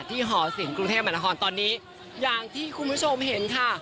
หอศิลปกรุงเทพมหานครตอนนี้อย่างที่คุณผู้ชมเห็นค่ะ